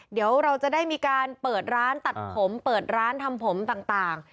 เดี๋ยวเราจะได้มีการเปิดร้านตัดผมเปิดร้านทำผมต่าง